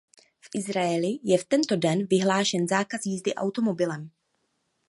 V Izraeli je v tento den vyhlášen zákaz jízdy automobilem.